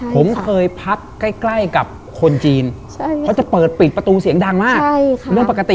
ผมเคยพับใกล้กับคนจีนเขาจะเปิดปิดประตูเสียงดังมาก